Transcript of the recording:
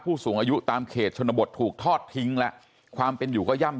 ผู้สูงอายุตามเขตชนบทถูกทอดทิ้งแล้วความเป็นอยู่ก็ย่ำ